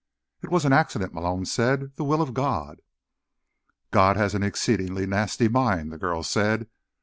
"It was an accident," Malone said. "The Will of God." "God has an exceedingly nasty mind," the girl said.